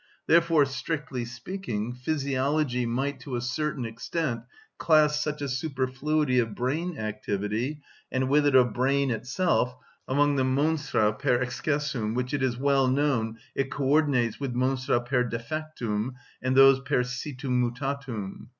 Therefore, strictly speaking, physiology might to a certain extent class such a superfluity of brain activity, and with it of brain itself, among the monstra per excessum, which, it is well known, it co‐ordinates with monstra per defectum and those per situm mutatum.